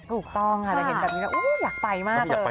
ถูกต้องค่ะแต่เห็นแบบนี้แล้วอยากไปมากเลย